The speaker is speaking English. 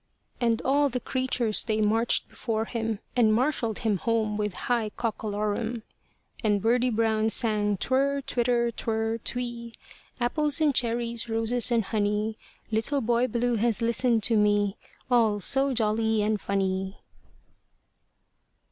And all the creatures they marched before him, And marshalled him home with a high cockolorum. And Birdie Brown sang Twirrrr twitter twirrrr twee Apples and cherries, roses and honey; Little Boy Blue has listened to me All so jolly and funny.